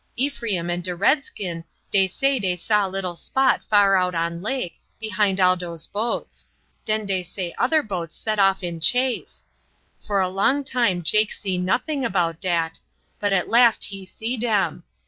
Ephraim and de redskin dey say dey saw little spot far out on lake, behind all dose boats; den dey say other boats set off in chase. For a long time Jake see nothing about dat, but at last he see dem.